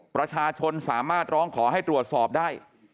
ประชาชนสามารถร้องขอให้ตรวจสอบได้